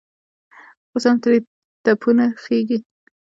اوس هم ترې تپونه خېژي.